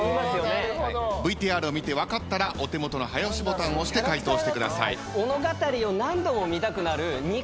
ＶＴＲを見て分かったらお手元の早押しボタンを押して解答してください。